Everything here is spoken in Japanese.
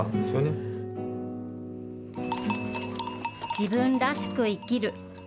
自分らしく生きる。